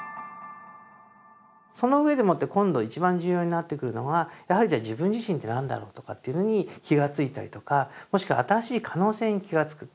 その上でもって今度一番重要になってくるのはやはりじゃ自分自身って何だろうとかっていうのに気が付いたりとかもしくは新しい可能性に気が付く。